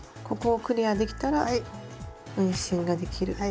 ここをクリアできたら運針ができる。